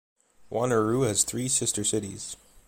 Wanneroo has three sister cities.